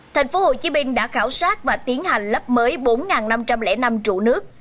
tp hcm đã khảo sát và tiến hành lắp mới bốn năm trăm linh năm trụ nước